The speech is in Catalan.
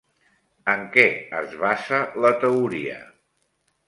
En què es basa la teoria?